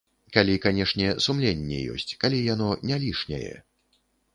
Калі, канешне, сумленне ёсць, калі яно не лішняе.